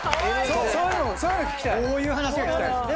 そういう話が聞きたいんです。